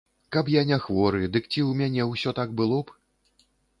Каб я не хворы, дык ці ў мяне ўсё так было б?